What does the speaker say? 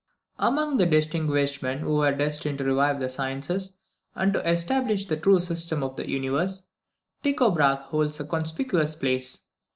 _ Among the distinguished men who were destined to revive the sciences, and to establish the true system of the universe, Tycho Brahe holds a conspicuous place.